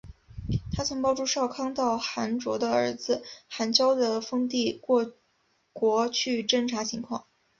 她曾帮助少康到寒浞的儿子寒浇的封地过国去侦察情况。